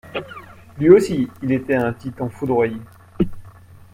Lui aussi, il etait un Titan foudroyé.